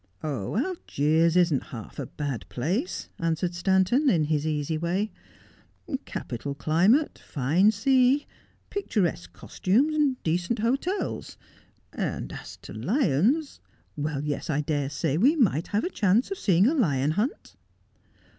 ' Oh, Algiers isn't half a bad place,' answered Stanton, in his easy way ;' capital climate, fine sea, picturesque costumes, decent hotels ; and as to lions — well, yes, I dare say we might have a chance of seeing a lion hunt.'